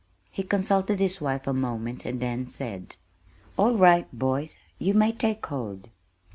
He consulted his wife a moment and then said, "All right, boys, you may take hold."